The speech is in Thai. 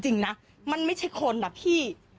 จริงนะมันไม่ใช่คนนะพี่